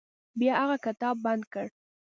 بیا هغه کتاب بند کړ.